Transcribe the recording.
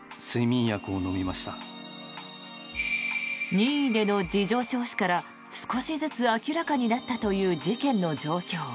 任意での事情聴取から少しずつ明らかになったという事件の状況。